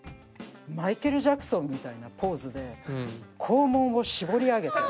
「マイケル・ジャクソンみたいなポーズで肛門を絞り上げて」。